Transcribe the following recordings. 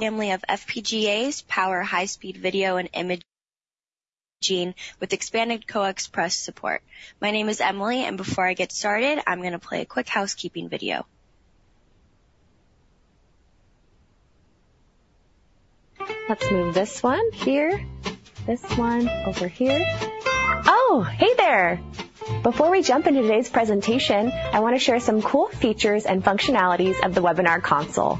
Family of FPGAs, power high-speed video and imaging with expanded CoaXPress support. My name is Emily, and before I get started, I'm going to play a quick housekeeping video. Let's move this one here, this one over here. Oh, hey there. Before we jump into today's presentation, I want to share some cool features and functionalities of the webinar console.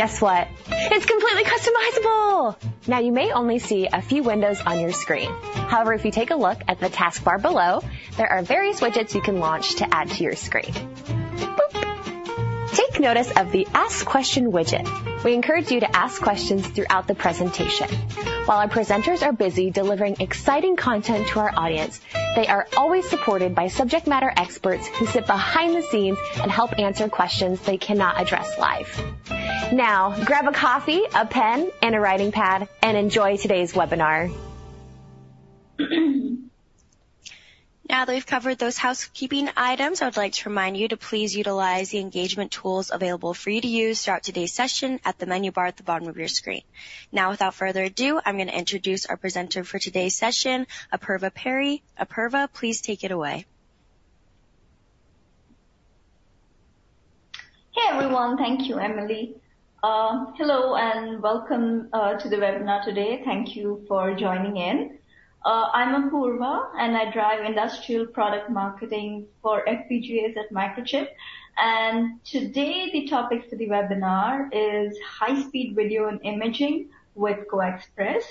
Guess what? It's completely customizable. Now, you may only see a few windows on your screen. However, if you take a look at the taskbar below, there are various widgets you can launch to add to your screen. Boop. Take notice of the Ask Question widget. We encourage you to ask questions throughout the presentation. While our presenters are busy delivering exciting content to our audience, they are always supported by subject matter experts who sit behind the scenes and help answer questions they cannot address live. Now, grab a coffee, a pen, and a writing pad, and enjoy today's webinar. Now that we've covered those housekeeping items, I would like to remind you to please utilize the engagement tools available for you to use throughout today's session at the menu bar at the bottom of your screen. Now, without further ado, I'm going to introduce our presenter for today's session, Apurva Peri. Apurva, please take it away. Hey everyone. Thank you, Emily. Hello and welcome to the webinar today. Thank you for joining in. I'm Apurva, and I drive industrial product marketing for FPGAs at Microchip. Today the topic for the webinar is high-speed video and imaging with CoaXPress.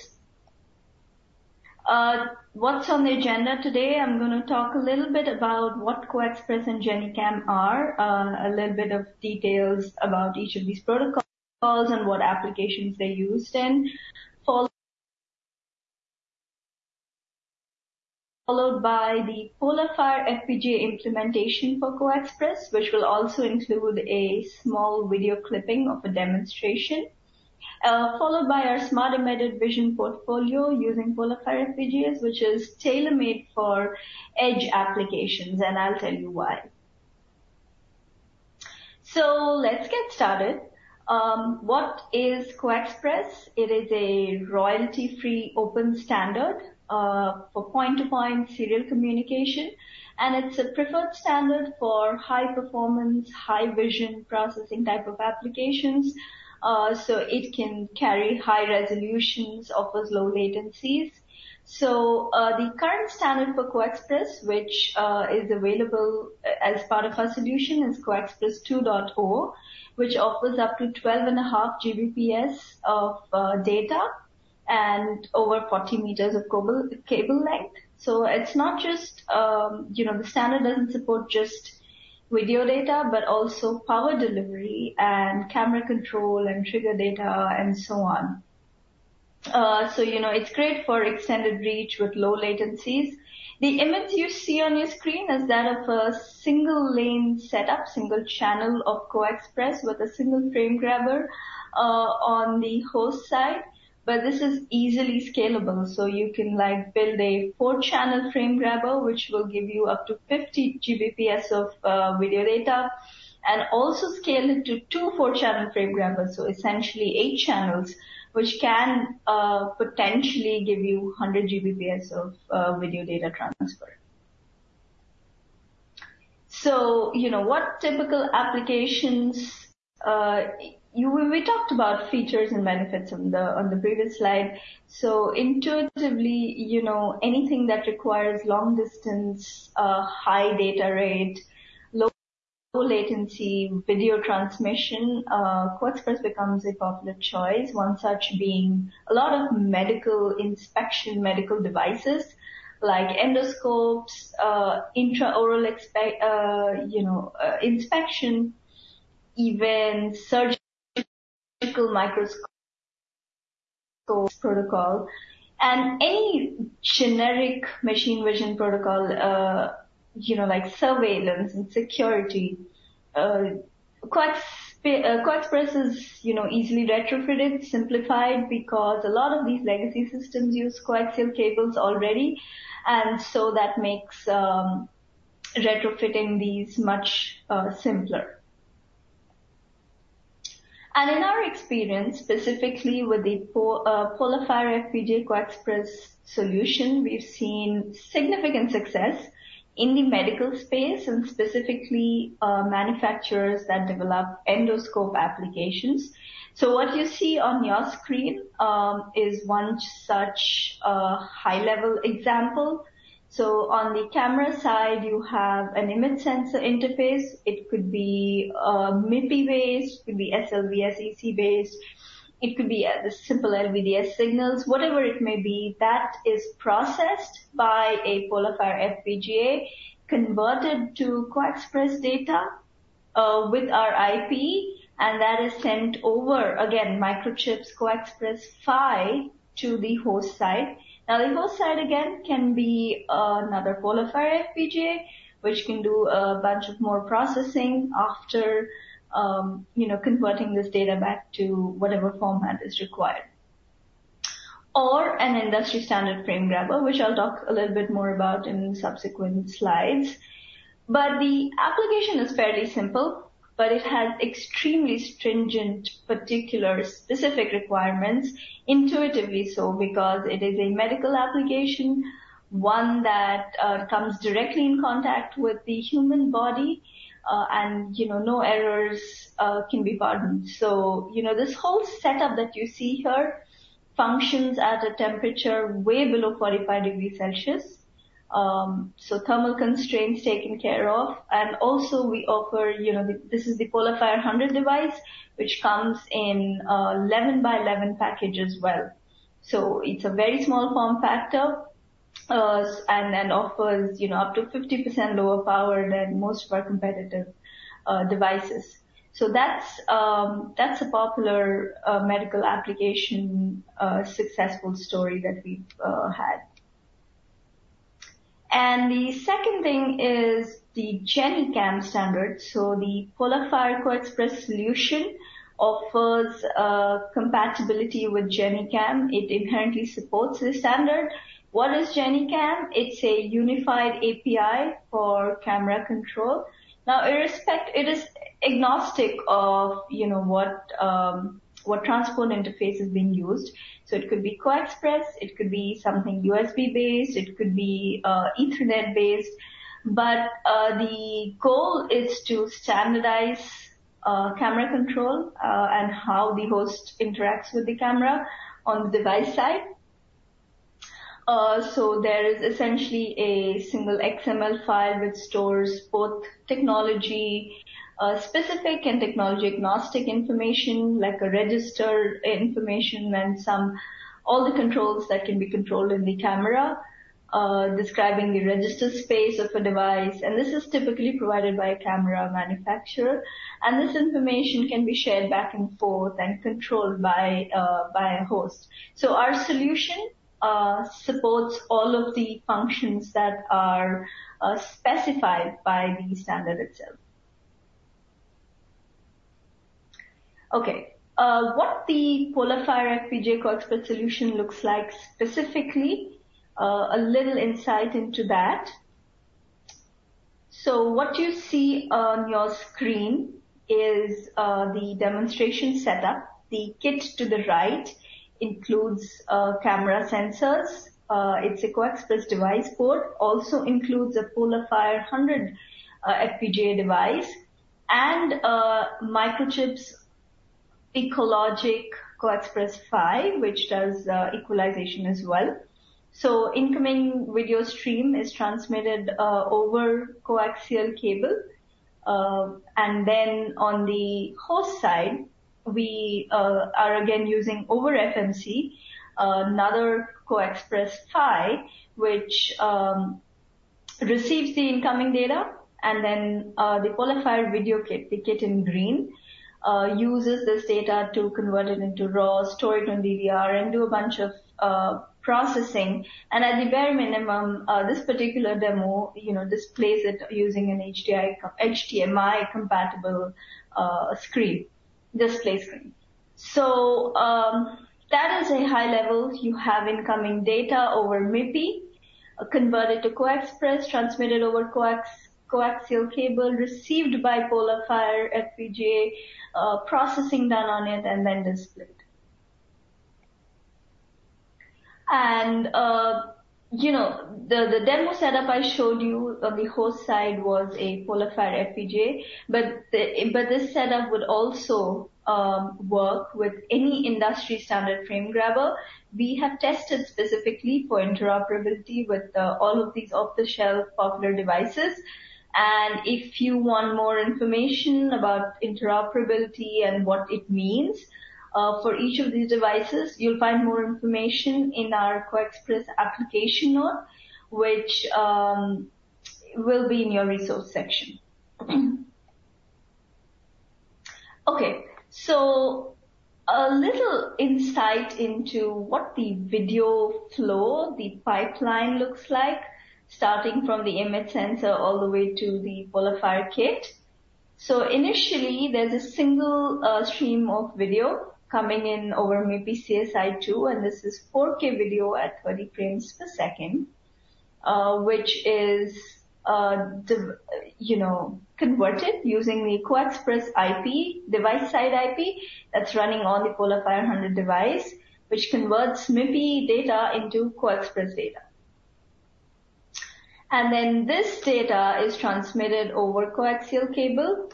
What's on the agenda today? I'm going to talk a little bit about what CoaXPress and GenICam are, a little bit of details about each of these protocols and what applications they're used in, followed by the PolarFire FPGA implementation for CoaXPress, which will also include a small video clipping of a demonstration, followed by our smart embedded vision portfolio using PolarFire FPGAs, which is tailor-made for edge applications, and I'll tell you why. So let's get started. What is CoaXPress? It is a royalty-free open standard for point-to-point serial communication, and it's a preferred standard for high-performance, high-vision processing type of applications. So it can carry high resolutions and offers low latencies. The current standard for CoaXPress, which is available as part of our solution, is CoaXPress 2.0, which offers up to 12.5 Gbps of data and over 40 meters of cable length. It's not just the standard doesn't support just video data, but also power delivery and camera control and trigger data and so on. It's great for extended reach with low latencies. The image you see on your screen is that of a single-lane setup, single channel of CoaXPress with a single frame grabber on the host side. But this is easily scalable. So you can build a 4-channel frame grabber, which will give you up to 50 Gbps of video data and also scale it to 2 4-channel frame grabbers, so essentially 8 channels, which can potentially give you 100 Gbps of video data transfer. So what typical applications we talked about features and benefits on the previous slide. So intuitively, anything that requires long distance, high data rate, low latency video transmission, CoaXPress becomes a popular choice, one such being a lot of medical inspection, medical devices like endoscopes, intraoral inspection events, surgical microscope protocol, and any generic machine vision protocol like surveillance and security. CoaXPress is easily retrofitted, simplified because a lot of these legacy systems use coaxial cables already. And so that makes retrofitting these much simpler. In our experience, specifically with the PolarFire FPGA CoaXPress solution, we've seen significant success in the medical space and specifically manufacturers that develop endoscope applications. What you see on your screen is one such high-level example. On the camera side, you have an image sensor interface. It could be MIPI-based, it could be SLVS-EC-based, it could be the simple LVDS signals. Whatever it may be, that is processed by a PolarFire FPGA, converted to CoaXPress data with our IP, and that is sent over, again, Microchip's CoaXPress PHY to the host side. Now, the host side, again, can be another PolarFire FPGA, which can do a bunch of more processing after converting this data back to whatever format is required, or an industry-standard frame grabber, which I'll talk a little bit more about in subsequent slides. But the application is fairly simple, but it has extremely stringent, particular, specific requirements, intuitively so, because it is a medical application, one that comes directly in contact with the human body, and no errors can be pardoned. So this whole setup that you see here functions at a temperature way below 45 degrees Celsius. So thermal constraints taken care of. And also, we offer this is the PolarFire 100 device, which comes in 11 by 11 package as well. So it's a very small form factor and offers up to 50% lower power than most of our competitive devices. So that's a popular medical application successful story that we've had. And the second thing is the GenICam standard. So the PolarFire CoaXPress solution offers compatibility with GenICam. It inherently supports this standard. What is GenICam? It's a unified API for camera control. Now, it is agnostic of what transport interface is being used. So it could be CoaXPress, it could be something USB-based, it could be Ethernet-based. But the goal is to standardize camera control and how the host interacts with the camera on the device side. So there is essentially a single XML file which stores both technology-specific and technology-agnostic information like a register information and all the controls that can be controlled in the camera, describing the register space of a device. And this is typically provided by a camera manufacturer. And this information can be shared back and forth and controlled by a host. So our solution supports all of the functions that are specified by the standard itself. Okay. What the PolarFire FPGA CoaXPress solution looks like specifically, a little insight into that. So what you see on your screen is the demonstration setup. The kit to the right includes camera sensors. It's a CoaXPress device port. Also includes a PolarFire 100 FPGA device and Microchip's EqcoLogic CoaXPress PHY, which does equalization as well. Incoming video stream is transmitted over coaxial cable. Then on the host side, we are again using over FMC, another CoaXPress PHY, which receives the incoming data. Then the PolarFire video kit, the kit in green, uses this data to convert it into raw, store it on DDR, and do a bunch of processing. At the bare minimum, this particular demo displays it using an HDMI-compatible display screen. That is a high level. You have incoming data over MIPI, converted to CoaXPress, transmitted over coaxial cable, received by PolarFire FPGA, processing done on it, and then displayed. The demo setup I showed you on the host side was a PolarFire FPGA. But this setup would also work with any industry-standard frame grabber. We have tested specifically for interoperability with all of these off-the-shelf popular devices. If you want more information about interoperability and what it means for each of these devices, you'll find more information in our CoaXPress application note, which will be in your resource section. Okay. A little insight into what the video flow, the pipeline looks like, starting from the image sensor all the way to the PolarFire kit. Initially, there's a single stream of video coming in over MIPI CSI-2. This is 4K video at 30 frames per second, which is converted using the CoaXPress IP, device-side IP that's running on the PolarFire 100 device, which converts MIPI data into CoaXPress data. Then this data is transmitted over coaxial cable.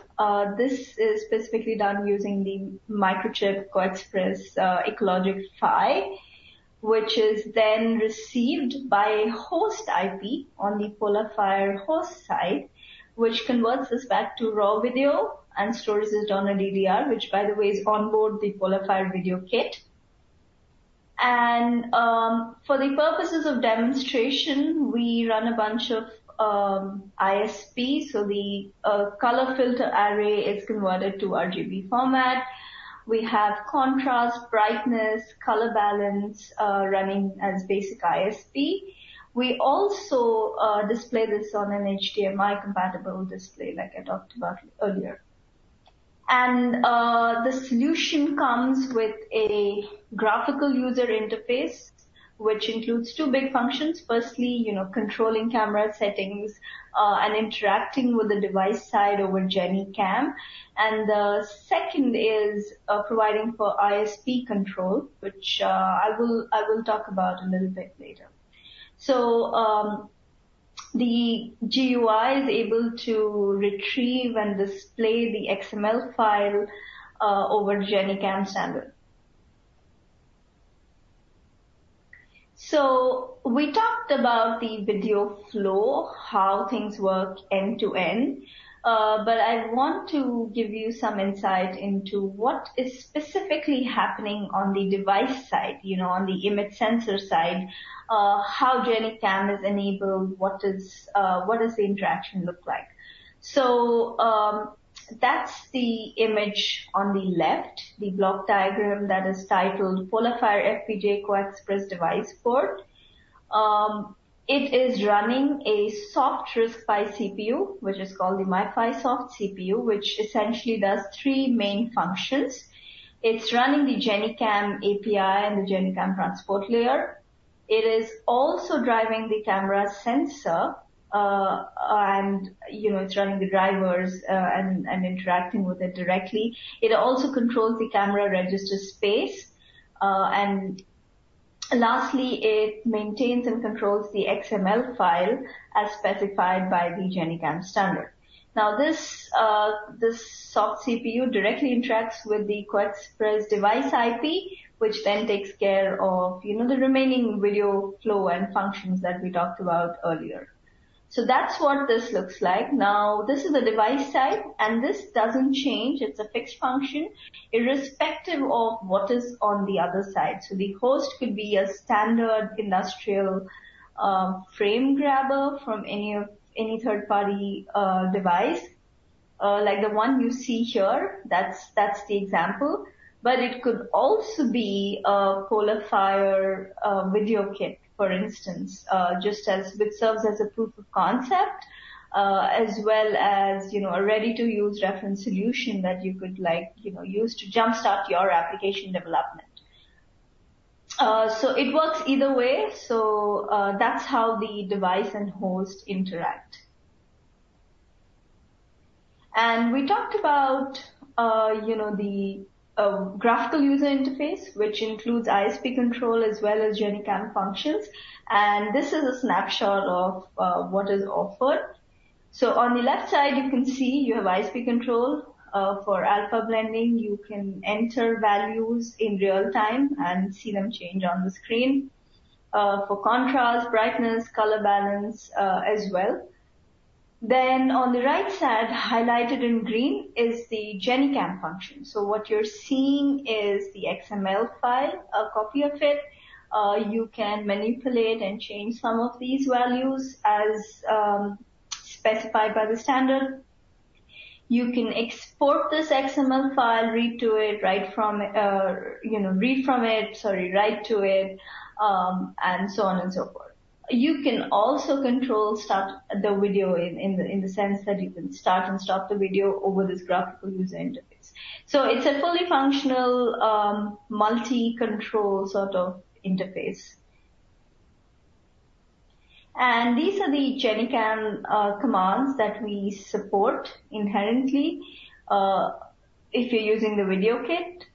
This is specifically done using the Microchip CoaXPress EqcoLogic PHY, which is then received by a host IP on the PolarFire host side, which converts this back to raw video and stores this down on DDR, which, by the way, is onboard the PolarFire video kit. For the purposes of demonstration, we run a bunch of ISP. The color filter array is converted to RGB format. We have contrast, brightness, color balance running as basic ISP. We also display this on an HDMI-compatible display like I talked about earlier. The solution comes with a graphical user interface, which includes two big functions. Firstly, controlling camera settings and interacting with the device side over GenICam. The second is providing for ISP control, which I will talk about a little bit later. The GUI is able to retrieve and display the XML file over GenICam standard. We talked about the video flow, how things work end-to-end. But I want to give you some insight into what is specifically happening on the device side, on the image sensor side, how GenICam is enabled, what does the interaction look like. That's the image on the left, the block diagram that is titled PolarFire FPGA CoaXPress device port. It is running a soft RISC-V CPU, which is called the Mi-V soft CPU, which essentially does three main functions. It's running the GenICam API and the GenICam transport layer. It is also driving the camera sensor. And it's running the drivers and interacting with it directly. It also controls the camera register space. And lastly, it maintains and controls the XML file as specified by the GenICam standard. Now, this soft CPU directly interacts with the CoaXPress device IP, which then takes care of the remaining video flow and functions that we talked about earlier. So that's what this looks like. Now, this is the device side. This doesn't change. It's a fixed function irrespective of what is on the other side. So the host could be a standard industrial frame grabber from any third-party device like the one you see here. That's the example. But it could also be a PolarFire video kit, for instance, which serves as a proof of concept as well as a ready-to-use reference solution that you could use to jump-start your application development. So it works either way. So that's how the device and host interact. And we talked about the graphical user interface, which includes ISP control as well as GenICam functions. This is a snapshot of what is offered. On the left side, you can see you have ISP control for alpha blending. You can enter values in real time and see them change on the screen for contrast, brightness, color balance as well. On the right side, highlighted in green, is the GenICam function. What you're seeing is the XML file, a copy of it. You can manipulate and change some of these values as specified by the standard. You can export this XML file, read to it, write from it sorry, write to it, and so on and so forth. You can also control the video in the sense that you can start and stop the video over this graphical user interface. It's a fully functional, multi-control sort of interface. These are the GenICam commands that we support inherently. If you're using the video kit,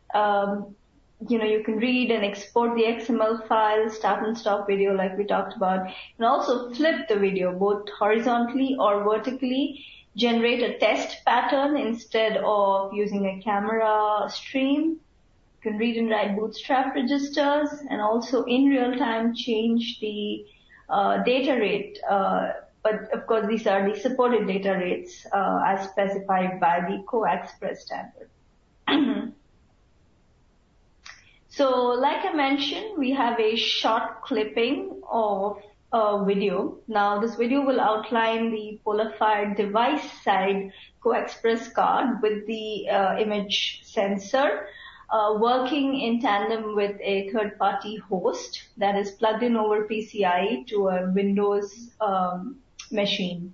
you can read and export the XML file, start and stop video like we talked about, and also flip the video both horizontally or vertically, generate a test pattern instead of using a camera stream, can read and write bootstrap registers, and also in real time change the data rate. But of course, these are the supported data rates as specified by the CoaXPress standard. So like I mentioned, we have a short clipping of video. Now, this video will outline the PolarFire device-side CoaXPress card with the image sensor working in tandem with a third-party host that is plugged in over PCIe to a Windows machine.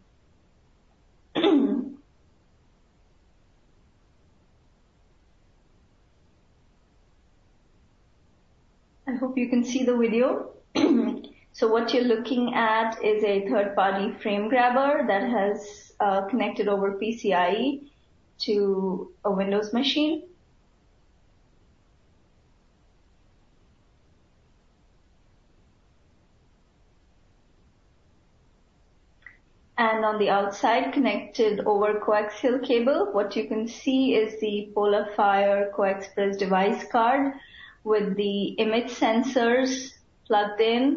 I hope you can see the video. So what you're looking at is a third-party frame grabber that has connected over PCIe to a Windows machine. On the outside, connected over coaxial cable, what you can see is the PolarFire CoaXPress device card with the image sensors plugged in.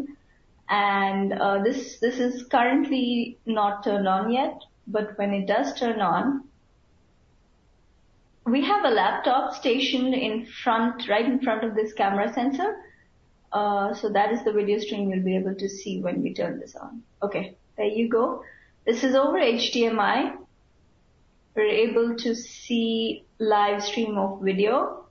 This is currently not turned on yet. But when it does turn on, we have a laptop stationed right in front of this camera sensor. So that is the video stream you'll be able to see when we turn this on. Okay. There you go. This is over HDMI. We're able to see live stream of video.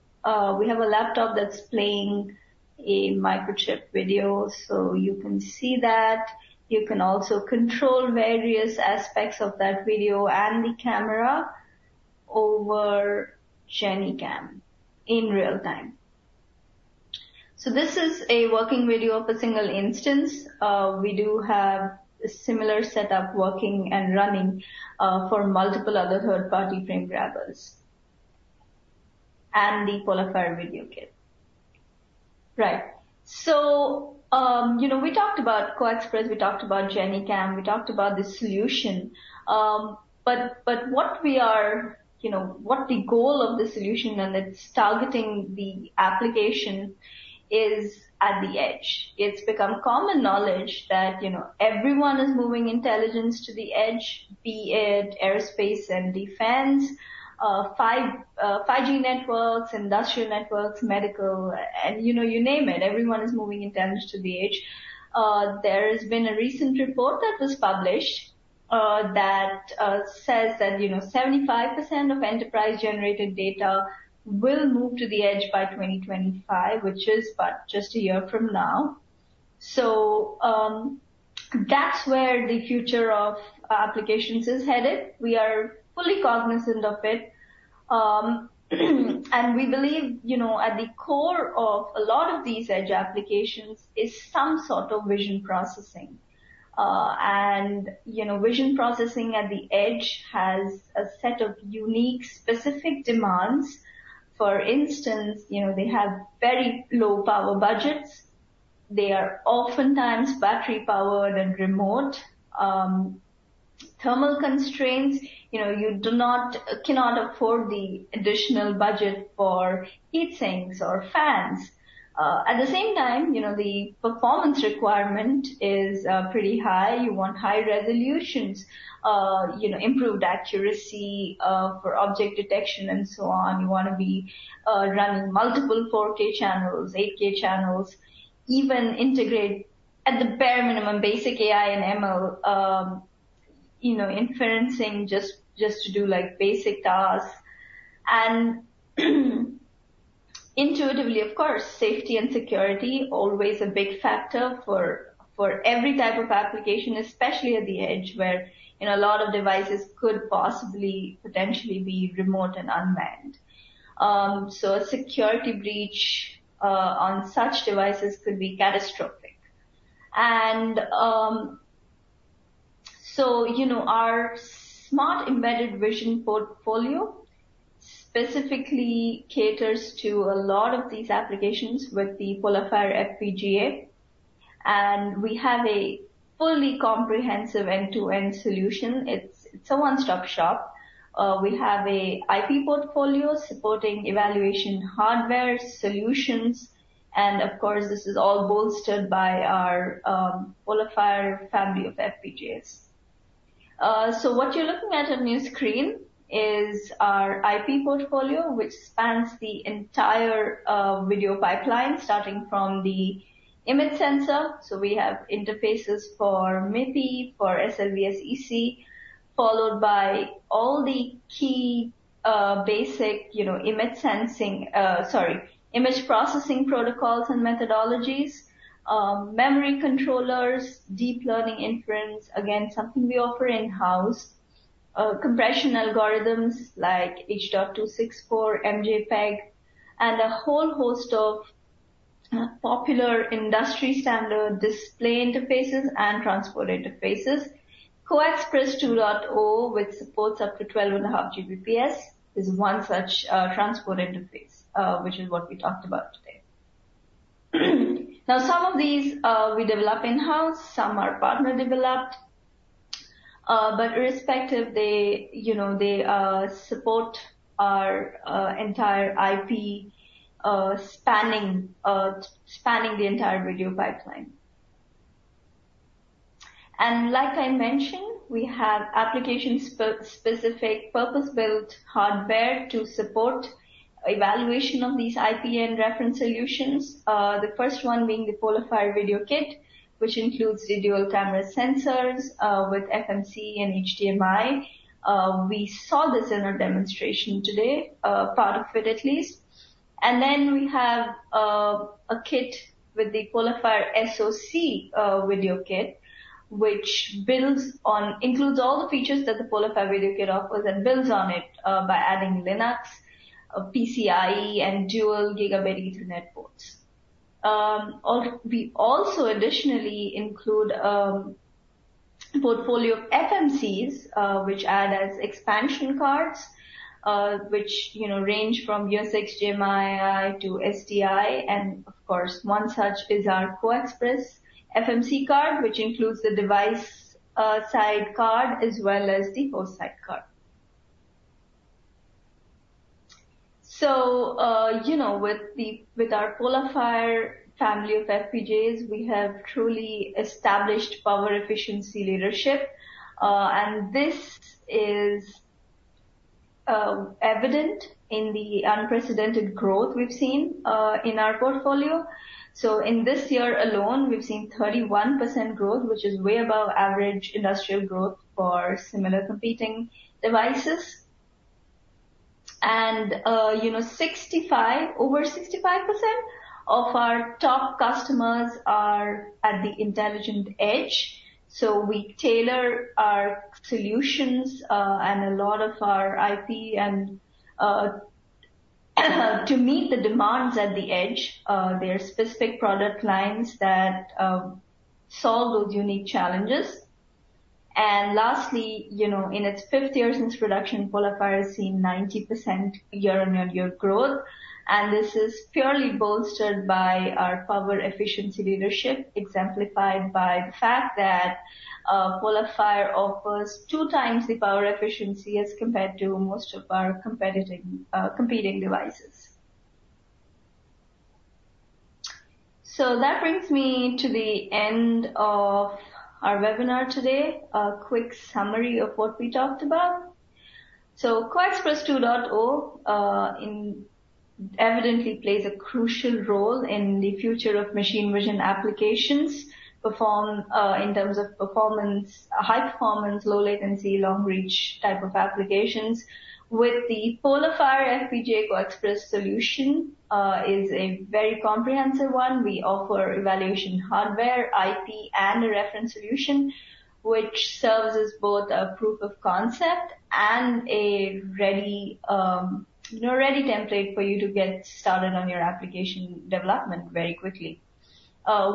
We have a laptop that's playing a Microchip video. So you can see that. You can also control various aspects of that video and the camera over GenICam in real time. So this is a working video of a single instance. We do have a similar setup working and running for multiple other third-party frame grabbers and the PolarFire video kit. Right. So we talked about CoaXPress. We talked about GenICam. We talked about the solution. But what we are what the goal of the solution and its targeting the application is at the edge. It's become common knowledge that everyone is moving intelligence to the edge, be it aerospace and defense, 5G networks, industrial networks, medical, and you name it. Everyone is moving intelligence to the edge. There has been a recent report that was published that says that 75% of enterprise-generated data will move to the edge by 2025, which is but just a year from now. So that's where the future of applications is headed. We are fully cognizant of it. And we believe at the core of a lot of these edge applications is some sort of vision processing. And vision processing at the edge has a set of unique specific demands. For instance, they have very low power budgets. They are oftentimes battery-powered and remote. Thermal constraints, you cannot afford the additional budget for heatsinks or fans. At the same time, the performance requirement is pretty high. You want high resolutions, improved accuracy for object detection, and so on. You want to be running multiple 4K channels, 8K channels, even integrate at the bare minimum basic AI and ML inferencing just to do basic tasks. And intuitively, of course, safety and security, always a big factor for every type of application, especially at the edge where a lot of devices could possibly, potentially be remote and unmanned. So a security breach on such devices could be catastrophic. And so our smart embedded vision portfolio specifically caters to a lot of these applications with the PolarFire FPGA. And we have a fully comprehensive end-to-end solution. It's a one-stop shop. We have an IP portfolio supporting evaluation hardware, solutions. Of course, this is all bolstered by our PolarFire family of FPGAs. What you're looking at on your screen is our IP portfolio, which spans the entire video pipeline starting from the image sensor. We have interfaces for MIPI, for SLVS-EC, followed by all the key basic image sensing sorry, image processing protocols and methodologies, memory controllers, deep learning inference, again, something we offer in-house, compression algorithms like H.264, MJPEG, and a whole host of popular industry-standard display interfaces and transport interfaces. CoaXPress 2.0, which supports up to 12.5 Gbps, is one such transport interface, which is what we talked about today. Now, some of these we develop in-house. Some are partner-developed. Irrespective, they support our entire IP spanning the entire video pipeline. Like I mentioned, we have application-specific purpose-built hardware to support evaluation of these IP and reference solutions, the first one being the PolarFire video kit, which includes the dual camera sensors with FMC and HDMI. We saw this in our demonstration today, part of it at least. Then we have a kit with the PolarFire SoC video kit, which includes all the features that the PolarFire video kit offers and builds on it by adding Linux, PCIe, and dual Gigabit Ethernet ports. We also additionally include a portfolio of FMCs, which add as expansion cards, which range from USXGMII to SDI. Of course, one such is our CoaXPress FMC card, which includes the device-side card as well as the host-side card. With our PolarFire family of FPGAs, we have truly established power efficiency leadership. This is evident in the unprecedented growth we've seen in our portfolio. In this year alone, we've seen 31% growth, which is way above average industrial growth for similar competing devices. Over 65% of our top customers are at the intelligent edge. We tailor our solutions and a lot of our IP to meet the demands at the edge. There are specific product lines that solve those unique challenges. Lastly, in its fifth year since production, PolarFire has seen 90% year-on-year growth. This is purely bolstered by our power efficiency leadership, exemplified by the fact that PolarFire offers two times the power efficiency as compared to most of our competing devices. That brings me to the end of our webinar today, a quick summary of what we talked about. So CoaXPress 2.0 evidently plays a crucial role in the future of machine vision applications in terms of high performance, low latency, long reach type of applications. With the PolarFire FPGA CoaXPress solution, it is a very comprehensive one. We offer evaluation hardware, IP, and a reference solution, which serves as both a proof of concept and a ready template for you to get started on your application development very quickly.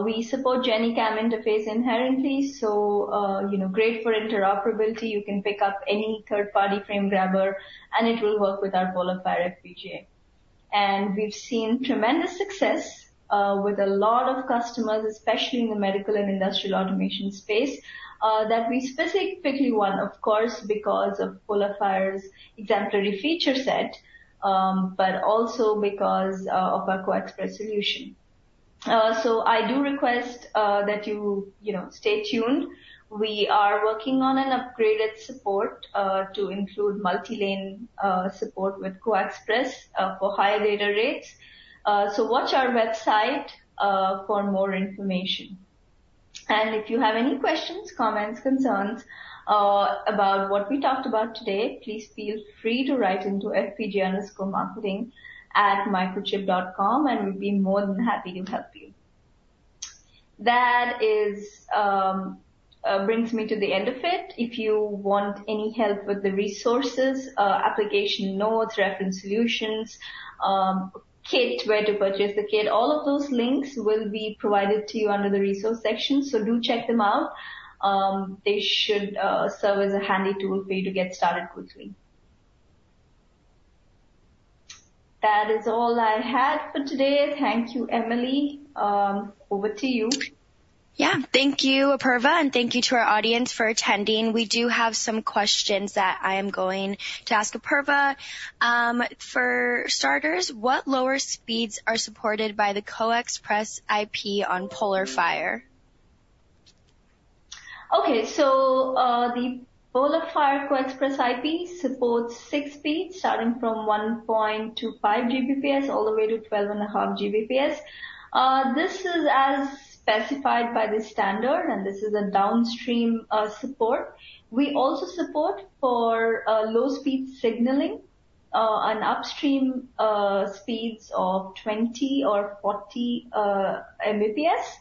We support GenICam interface inherently, so great for interoperability. You can pick up any third-party frame grabber, and it will work with our PolarFire FPGA. And we've seen tremendous success with a lot of customers, especially in the medical and industrial automation space, that we specifically want, of course, because of PolarFire's exemplary feature set, but also because of our CoaXPress solution. So I do request that you stay tuned. We are working on an upgraded support to include multi-lane support with CoaXPress for higher data rates. So watch our website for more information. And if you have any questions, comments, concerns about what we talked about today, please feel free to write into fpga_marketing@microchip.com, and we'd be more than happy to help you. That brings me to the end of it. If you want any help with the resources, application notes, reference solutions, where to purchase the kit, all of those links will be provided to you under the resource section. So do check them out. They should serve as a handy tool for you to get started quickly. That is all I had for today. Thank you, Emily. Over to you. Yeah. Thank you, Apurva, and thank you to our audience for attending. We do have some questions that I am going to ask Apurva. For starters, what lower speeds are supported by the CoaXPress IP on PolarFire? Okay. So the PolarFire CoaXPress IP supports six speeds starting from 1.25 Gbps all the way to 12.5 Gbps. This is as specified by the standard, and this is a downstream support. We also support for low-speed signaling and upstream speeds of 20 or 40 Mbps,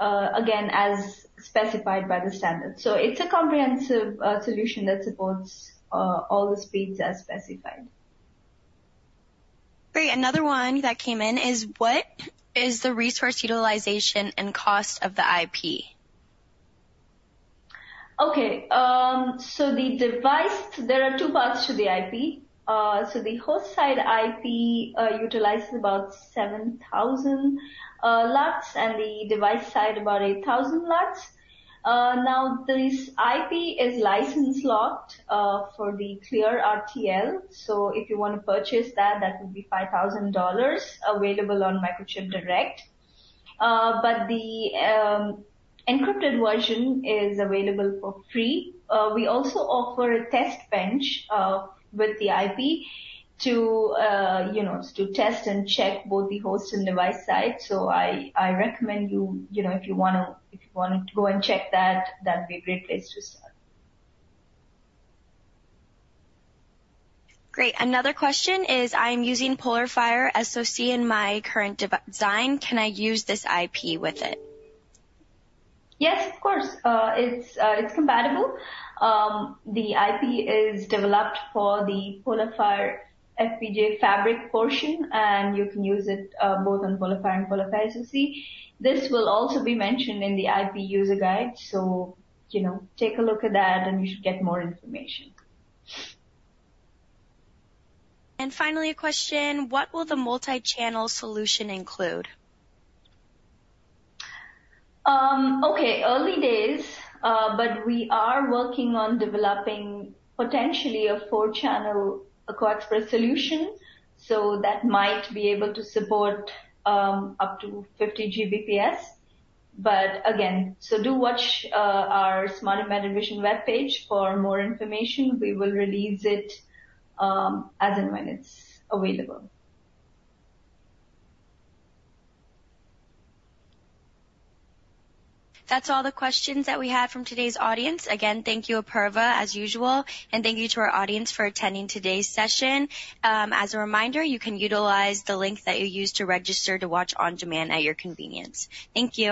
again, as specified by the standard. So it's a comprehensive solution that supports all the speeds as specified. Great. Another one that came in is, what is the resource utilization and cost of the IP? Okay. So there are two parts to the IP. So the host-side IP utilizes about 7,000 LUTs and the device-side about 8,000 LUTs. Now, this IP is license-locked for the Clear RTL. So if you want to purchase that, that would be $5,000 available on Microchip Direct. But the encrypted version is available for free. We also offer a test bench with the IP to test and check both the host and device side. So I recommend you if you want to if you want to go and check that, that'd be a great place to start. Great. Another question is, I am using PolarFire SoC in my current design. Can I use this IP with it? Yes, of course. It's compatible. The IP is developed for the PolarFire FPGA fabric portion, and you can use it both on PolarFire and PolarFire SoC. This will also be mentioned in the IP user guide. So take a look at that, and you should get more information. Finally, a question. What will the multi-channel solution include? Okay. Early days, but we are working on developing potentially a four-channel CoaXPress solution. So that might be able to support up to 50 Gbps. But again, so do watch our smart embedded vision webpage for more information. We will release it as and when it's available. That's all the questions that we had from today's audience. Again, thank you, Apurva, as usual. Thank you to our audience for attending today's session. As a reminder, you can utilize the link that you used to register to watch on-demand at your convenience. Thank you.